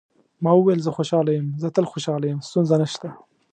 ما وویل: زه خوشاله یم، زه تل خوشاله یم، ستونزه نشته.